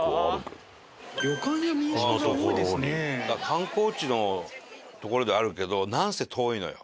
観光地の所ではあるけどなんせ遠いのよ。